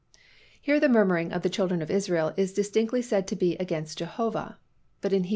Here the murmuring of the children of Israel is distinctly said to be against Jehovah. But in Heb.